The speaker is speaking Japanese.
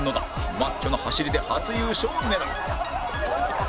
マッチョな走りで初優勝を狙う